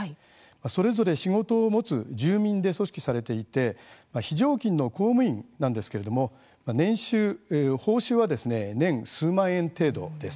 それぞれ仕事を持つ住民で組織されていて非常勤の公務員なんですけれども報酬は年数万円程度です。